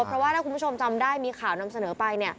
เพราะว่าถ้าคุณผู้ชมจำได้มีข่าวนำเสนอไป